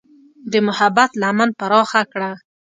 د محبت لمن پراخه کړه.